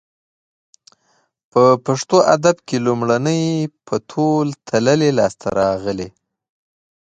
په پښتو ادب کې لومړنۍ په تول تللې لاسته راغلې